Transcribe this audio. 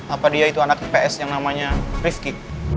apa dia itu anak ips yang namanya rifqi